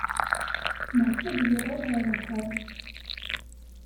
Maɛṭub yuɣal ɣer uxxam.